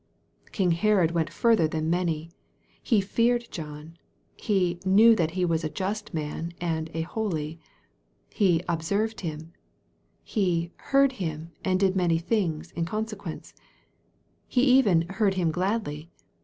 King Herod went further than many. He "feared John." He "knew that he was a just man and a holy.' He " observed" him. He " heard him, and did man) things" in consequence. He even " heard him gladly.'